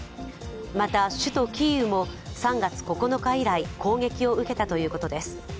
また、首都キーウも３月９日以来、攻撃を受けたということです。